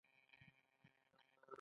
غوماشې د خلکو د آرام ګډوډوي.